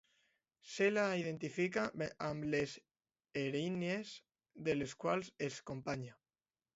Se la identifica amb les Erínies, de les quals és companya.